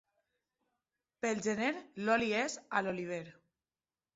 Pel gener l'oli és a l'oliver.